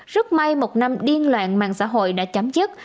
rất may một năm điên lạng mạng xã hội đã chấm dứt